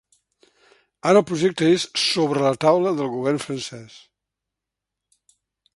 Ara el projecte és sobre la taula del govern francès.